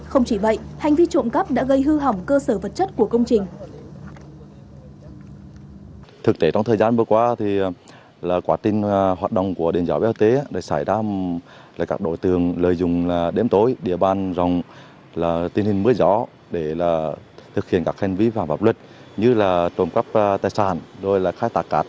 không chỉ vậy hành vi trộm cắp đã gây hư hỏng cơ sở vật chất của công trình